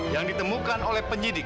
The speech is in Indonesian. yang ditemukan oleh penyidik